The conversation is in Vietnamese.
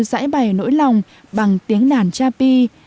giải bày nỗi lòng bằng tiếng đàn cha pi